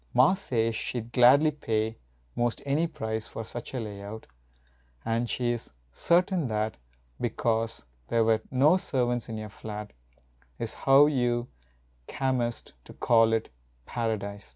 Ma says she d gladly pay most any price For such a lay out. And she s certain that 19 SONNETS OF A BUDDING BARD Because there wert no servants in your flat Is how you earnest to call it " Paradise."